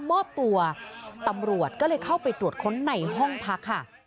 มอบตัวตำรวจก็เลยเข้าไปตรวจค้นในห้องพักค่ะ